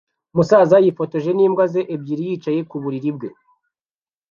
Umusaza yifotoje n'imbwa ze ebyiri yicaye ku buriri bwe